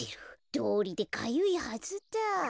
どうりでかゆいはずだ。